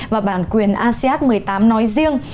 và bản quyền asean một mươi tám nói riêng